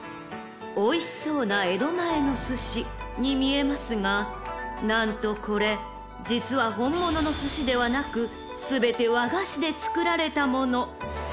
［おいしそうな江戸前のすしに見えますが何とこれ実は本物のすしではなく全て和菓子で作られたもの］